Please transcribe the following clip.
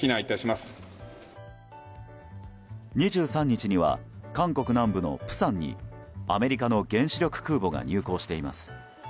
２３日には韓国南部の釜山にアメリカの原子力空母が入港しています。